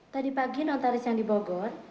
tadi pagi notaris yang di bogor